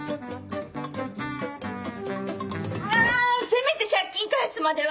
せめて借金返すまでは。